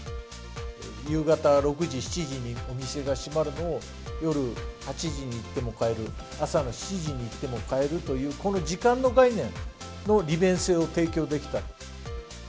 夕方６時、７時にお店が閉まるのを、夜８時に行っても買える、朝の７時に行っても買えるという、この時間の概念の利便性を提供できた。